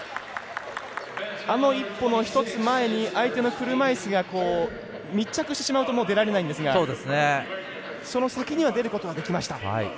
あの１歩の１つ前に相手の車いすが密着してしまうともう出られないんですがその先には出ることができました。